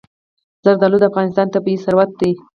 زردالو د افغانستان طبعي ثروت دی.